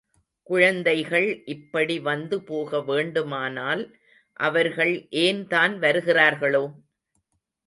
குழந்தைகள் இப்படி வந்து போக வேண்டுமானால், அவர்கள் ஏன்தான் வருகிறார்களோ?